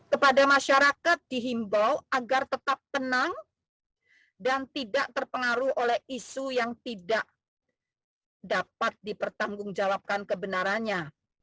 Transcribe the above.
kepada masyarakat dihimbau agar tetap tenang dan tidak terpengaruh oleh isu yang tidak dapat dipertanggungjawabkan kebenarannya